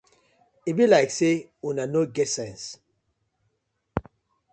E bi layk say uno no get sence.